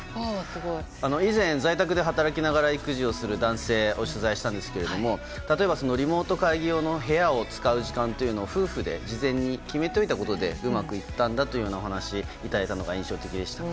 以前、在宅で働きながら育児をする男性を取材したんですけれども例えばリモート会議用の部屋を使う時間というのを夫婦で事前に決めておいたことでうまくいったんだというようなお話をいただいたのが印象的でした。